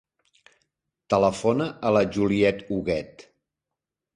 Telefona a la Juliette Huguet.